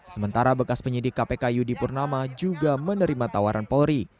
sementara bekas penyidik kpk yudi purnama juga menerima tawaran polri